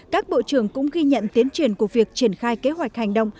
các bộ trưởng cũng ghi nhận tiến triển của việc triển khai kế hoạch hành động